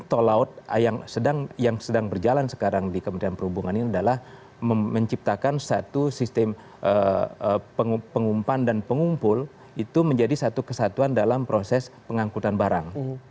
tol laut yang sedang berjalan sekarang di kementerian perhubungan ini adalah menciptakan satu sistem pengumpan dan pengumpul itu menjadi satu kesatuan dalam proses pengangkutan barang